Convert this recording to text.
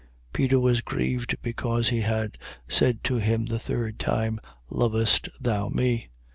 Peter was grieved because he had said to him the third time: Lovest thou me?